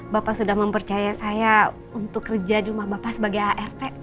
bapak sudah mempercaya saya untuk kerja di rumah bapak sebagai art